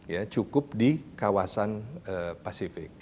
ya cukup di kawasan pasifik